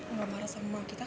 enggak marah sama kita